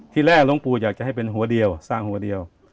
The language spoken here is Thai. ที่แรกหลวงปู่อยากจะให้เป็นหัวเดียวสร้างหัวเดียว